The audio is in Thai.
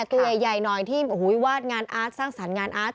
ตัวใหญ่หน่อยที่วาดงานอาร์ตสร้างสรรค์งานอาร์ต